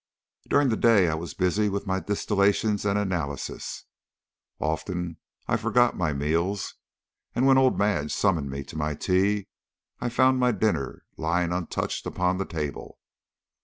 During the day I was busy with my distillations and analyses. Often I forgot my meals, and when old Madge summoned me to my tea I found my dinner lying untouched upon the table.